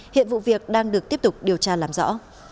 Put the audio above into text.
hiện vụ việc đang được tiếp tục điều tra làm rõ